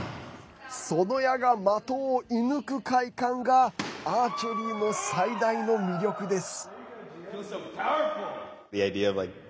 その矢が的を射ぬく快感がアーチェリーの最大の魅力です。